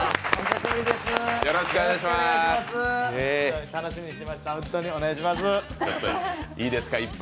いいですか、一発